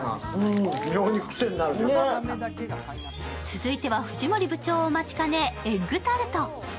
続いては、藤森部長お待ちかね、エッグタルト。